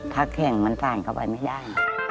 ถ้าแข่งมันสั่นเข้าไปไม่ได้